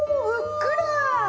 ふっくら！